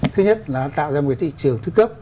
thứ nhất là nó tạo ra một cái thị trường thư cấp